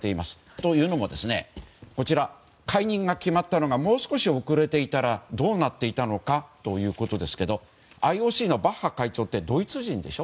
というのも解任が決まったのがもう少し遅れていたらどうなっていたのかということですけどＩＯＣのバッハ会長ってドイツ人でしょ。